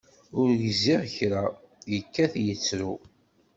Ur gziɣ kra, ikkat ittru.